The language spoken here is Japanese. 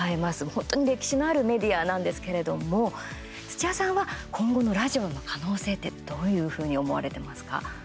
本当に歴史のあるメディアなんですけれども土屋さんは今後のラジオの可能性ってどういうふうに思われてますか？